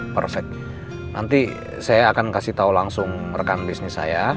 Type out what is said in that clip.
perfectnya nanti saya akan kasih tahu langsung rekan bisnis saya